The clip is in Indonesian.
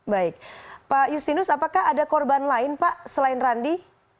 baik pak justinus apakah ada korban lain pak selain randi